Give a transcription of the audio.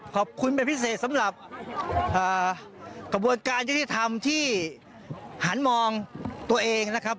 ขอบคุณเป็นพิเศษสำหรับกระบวนการยุติธรรมที่หันมองตัวเองนะครับ